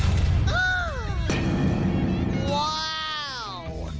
อ้าว